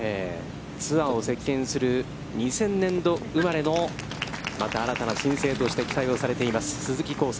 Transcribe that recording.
ツアーを席巻する２０００年度生まれのまた新たな新生として期待をされています鈴木晃祐。